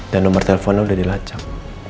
dan nomor teleponnya udah dilacak